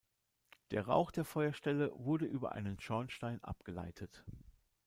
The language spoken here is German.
Der Rauch der Feuerstelle wurde über einen Schornstein abgeleitet.